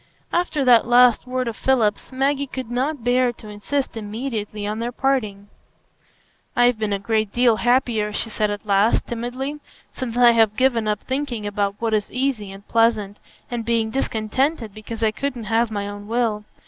After that last word of Philip's, Maggie could not bear to insist immediately on their parting. "I've been a great deal happier," she said at last, timidly, "since I have given up thinking about what is easy and pleasant, and being discontented because I couldn't have my own will.